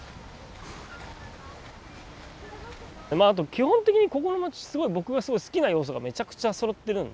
基本的にここの街僕がすごい好きな要素がめちゃくちゃそろってるんで。